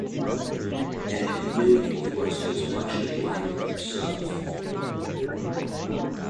And he knew he was as much to blame himself.